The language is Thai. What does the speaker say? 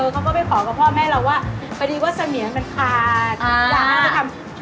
เขาก็ไปขอกับพ่อแม่เราว่าไปดีกว่าเสมียมันขาด